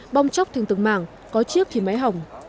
bong chóc thành từng mảng có chiếc thì máy hỏng